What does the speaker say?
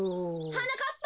はなかっぱ！